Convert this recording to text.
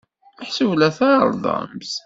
Meḥsub la tɛerrḍem?